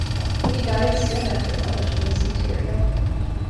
He died soon after publishing this material.